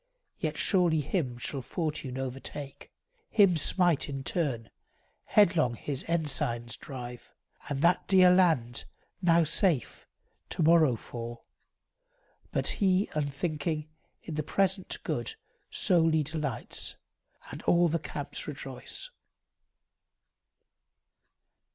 Yet surely him shall fortune overtake, Him smite in turn, headlong his ensigns drive; And that dear land, now safe, to morrow fall. But he, unthinking, in the present good Solely delights, and all the camps rejoice.